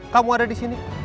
kamu ada disini